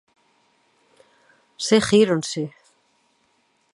Seguíronse.